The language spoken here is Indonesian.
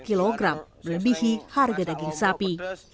kilogram melebihi harga daging sapi